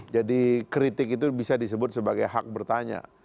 jadi kritik itu bisa disebut sebagai hak bertanya